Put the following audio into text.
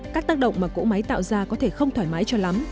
các tác động mà cỗ máy tạo ra có thể không thoải mái cho lắm